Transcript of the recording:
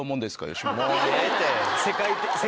吉本？